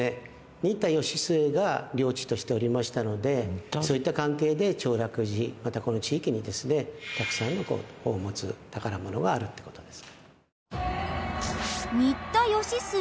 新田義季が領地としておりましたのでそういった関係で長楽寺またこの地域にですねたくさんの宝物宝物があるって事です。